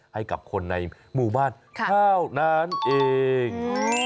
ให้กับคนในหมู่บ้านเท่านั้นเอง